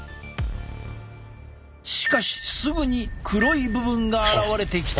しかしすぐに黒い部分が現れてきた。